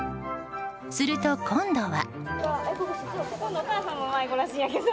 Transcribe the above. すると今度は。